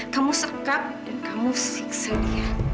kamu sekap dan kamu siksa dia